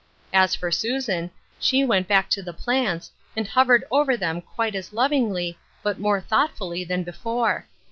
As for Susan, she went back to the plants, and hovered over them quite as lovingly, but more thoughtfully than before.